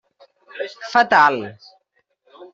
Fatal.